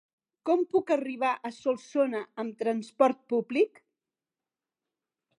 Com puc arribar a Solsona amb trasport públic?